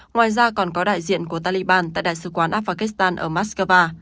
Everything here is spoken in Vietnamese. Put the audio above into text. ngoài ra còn có đại diện của taliban tại đại sứ quán afghanistan ở moscow